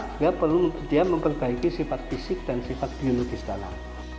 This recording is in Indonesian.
sehingga perlu dia memperbaiki sifat fisik dan sifat biologis dalam